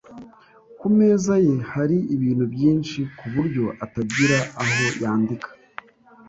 Ku meza ye hari ibintu byinshi ku buryo atagira aho yandika.